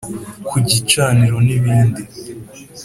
Ku Gicaniro n’ibindi